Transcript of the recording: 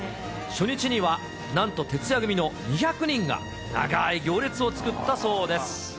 初日にはなんと徹夜組の２００人が長い行列を作ったそうです。